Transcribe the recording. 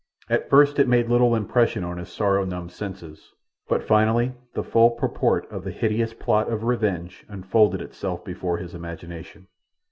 At first it made little impression on his sorrow numbed senses, but finally the full purport of the hideous plot of revenge unfolded itself before his imagination.